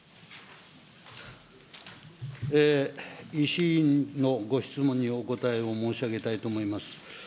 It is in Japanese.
石井委員のご質問にお答えをいたしたいと思います。